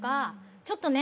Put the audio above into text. ちょっとね